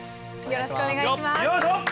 よろしくお願いします。